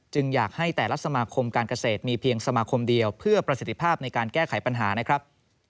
อยากให้แต่ละสมาคมการเกษตรมีเพียงสมาคมเดียวเพื่อประสิทธิภาพในการแก้ไขปัญหานะครับ